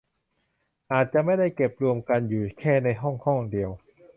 อาจจะไม่ได้เก็บรวมกันอยู่แค่ในห้องห้องเดียว